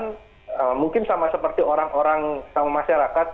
mungkin sama seperti orang orang sama masyarakat